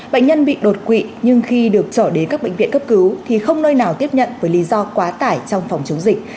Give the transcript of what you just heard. bệnh nhân bị đột quỵ nhưng khi được trở đến các bệnh viện cấp cứu thì không nơi nào tiếp nhận với lý do quá tải trong phòng chống dịch